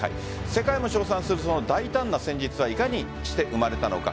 世界も称賛するその大胆な戦術はいかにして生まれたのか。